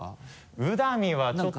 宇多海はちょっと。